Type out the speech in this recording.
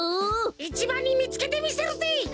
いちばんにみつけてみせるぜ。